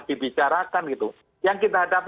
dibicarakan gitu yang kita hadapi